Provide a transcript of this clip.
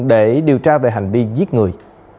để điều tra về hành vi giết người